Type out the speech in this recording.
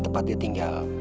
tempat dia tinggal